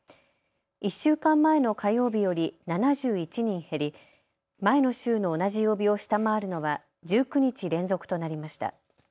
１週間前の火曜日より７１人減り前の週の同じ曜日を下回るのは１９日連続となりました。